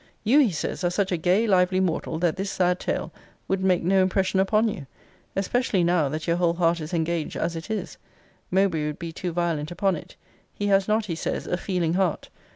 You, he says, are such a gay, lively mortal, that this sad tale would make no impression upon you: especially now, that your whole heart is engaged as it is. Mowbray would be too violent upon it: he has not, he says, a feeling heart.